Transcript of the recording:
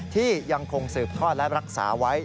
ที่ยังคงสืบทอดและรักษาไว้